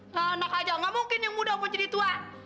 nah anak aja nggak mungkin yang muda mau jadi tua